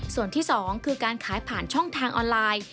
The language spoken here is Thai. ส่วนที่๒คือการขายผ่านช่องทางออนไลน์